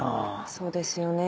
そうですよね。